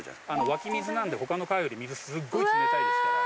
湧き水なんで他の川より水すっごい冷たいですから。